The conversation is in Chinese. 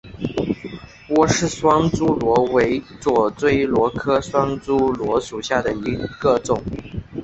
芮氏双珠螺为左锥螺科双珠螺属下的一个种。